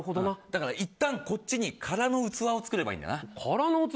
いったんこっちに空の器を作ればいいんだな。